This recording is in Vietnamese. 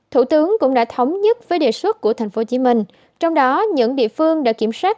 thủ tướng cũng đã thống nhất với đề xuất của tp hcm trong đó những địa phương đã kiểm soát